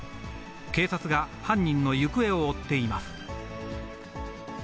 警察が犯人の行方を追っています。